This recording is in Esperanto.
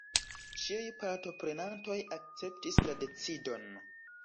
Ĉiuj partoprenantoj akceptis la decidon.